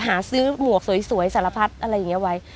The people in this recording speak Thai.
หาซื้อหมวกสวยสารพัดอะไรอย่างนี้ไว้